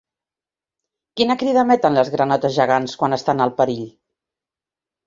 Quina crida emeten les granotes gegants quan estan el perill?